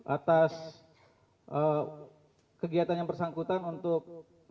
atas kegiatan yang bersangkutan untuk